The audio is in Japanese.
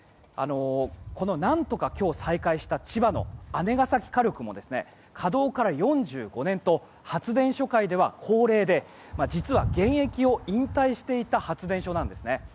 何とか再開した姉崎火力も稼働から４５年と発電所界では高齢で実は現役を引退していた発電所なんですね。